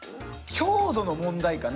強度の問題かな？